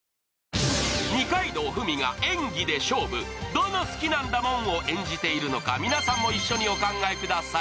どの「好きなんだもん」を演じているのか皆さんも一緒にお考えください。